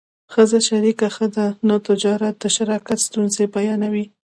ښځه شریکه ښه ده نه تجارت د شراکت ستونزې بیانوي